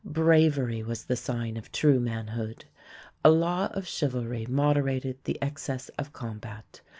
Bravery was the sign of true manhood. A law of chivalry moderated the excess of combat.